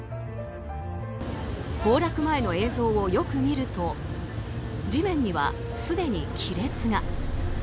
崩落前の映像をよく見ると地面にはすでに亀裂が。